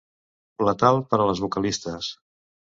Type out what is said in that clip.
Letal per a les vocalistes.